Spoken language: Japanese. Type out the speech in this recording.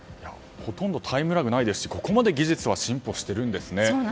ほとんどタイムラグないですしここまで技術は進歩しているんですね。